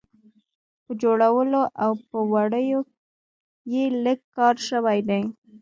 په جوړولو او په وړیو یې لږ کار شوی دی.